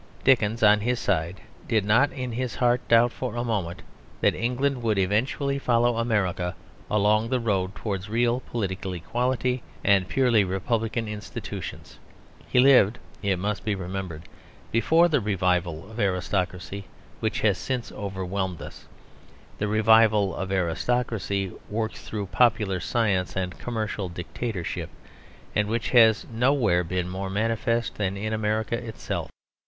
Dickens, on his side, did not in his heart doubt for a moment that England would eventually follow America along the road towards real political equality and purely republican institutions. He lived, it must be remembered, before the revival of aristocracy, which has since overwhelmed us the revival of aristocracy worked through popular science and commercial dictatorship, and which has nowhere been more manifest than in America itself.